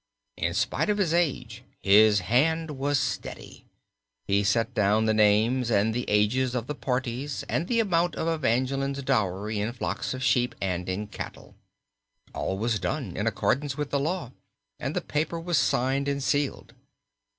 In spite of his age his hand was steady, He set down the names and the ages of the parties and the amount of Evangeline's dowry in flocks of sheep and in cattle. All was done in accordance with the law and the paper was signed and sealed.